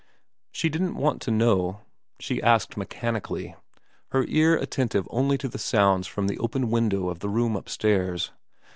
She didn't want to know ; she asked mechanically, her ear attentive only to the sounds from the open windows of the room upstairs.